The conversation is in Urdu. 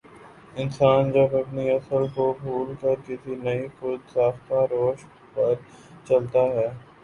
انسان جب اپنی اصل کو بھول کر کسی نئی خو د ساختہ روش پرچلتا ہے